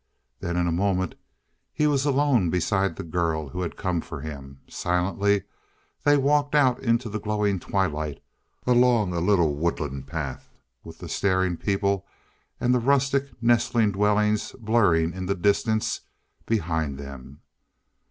Then in a moment he was alone beside the girl who had come for him. Silently they walked out into the glowing twilight, along a little woodland path with the staring people and the rustic, nestling dwellings blurring in the distance behind them.